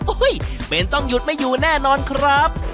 เป็นต้องหยุดไม่อยู่แน่นอนครับ